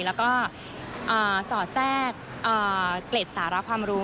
แล้วก็สอดแทรกเกร็ดสาระความรู้